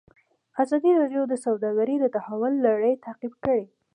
ازادي راډیو د سوداګري د تحول لړۍ تعقیب کړې.